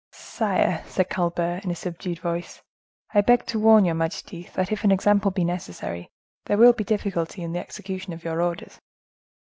"Sire," said Colbert in a subdued voice, "I beg to warn your majesty, that if an example be necessary, there will be difficulty in the execution of your orders."